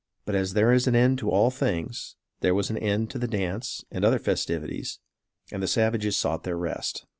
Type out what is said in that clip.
But as there is an end to all things, there was an end to the dance and other festivities and the savages sought their rest.